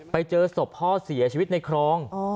ไปเจอศพพ่อเสียชีวิตในคลอง